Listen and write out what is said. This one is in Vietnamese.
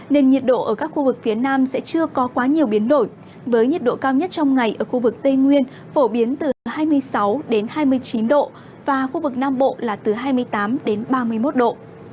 nên nhiệt độ ở các khu vực phía nam sẽ chưa có quá nhiều biến đổi với nhiệt độ cao nhất trong ngày ở khu vực tây nguyên phổ biến từ hai mươi sáu hai mươi chín độ và khu vực nam bộ là từ hai mươi tám đến ba mươi một độ